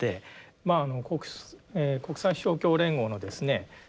まあ国際勝共連合のですね